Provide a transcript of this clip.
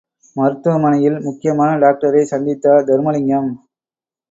மருத்துவ மனையில் முக்கியமான டாக்டரை சநதித்தார் தருமலிங்கம்.